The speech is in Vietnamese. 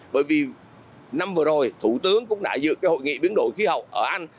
bởi vì năm vừa rồi thủ tướng cũng đã dựa hội nghị biến đổi khí hậu ở anh